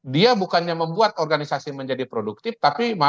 dia bukannya membuat organisasi menjadi produktif tapi masuk ke dalam